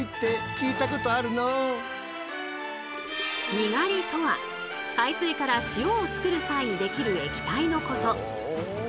「にがり」とは海水から塩を作る際にできる液体のこと。